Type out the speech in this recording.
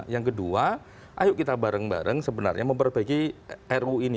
yang kedua ayo kita bareng bareng sebenarnya memperbaiki ru ini